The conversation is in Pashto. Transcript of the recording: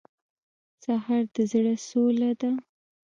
سهار د زړه سوله ده.